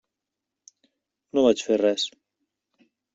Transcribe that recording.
No vaig fer res.